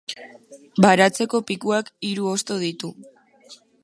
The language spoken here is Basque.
Baratzeko pikuak hiru hosto ditu.